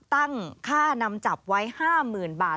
ตั้งค่านำจับไว้๕๐๐๐บาท